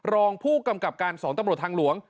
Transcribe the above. รองผู้กำกับการ๒ตำรวจทางหลวง